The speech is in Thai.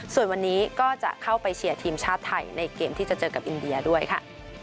ส่วนวันนี้ก็จะเข้าไปเชียร์ทีมชาติไทยในเกมที่จะเจอกับอินเดียด้วยค่ะ